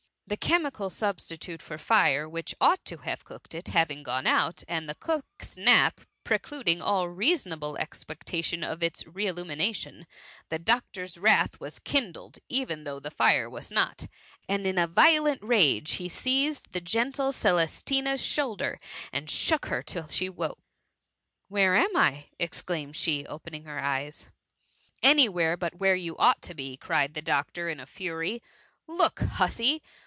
The chemical substitute for fire, which ought to have cooked it^ having gone out, and the cook^s nap precluding all reasonable expec tation of its re illumination, the doctor^s wrath was kindled, though the fire was not, and in a violent rage he seized the gentle Celestina^s shoulder, and shook her till she woke. " Where am I ?^ exclaimed she, opening her eyes. " Any where but where you ought to be,^ cried the doctor, in a fury. " Look, hussy